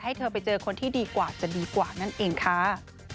ให้เธอไปเจอคนที่ดีกว่าจะดีกว่านั่นเองค่ะ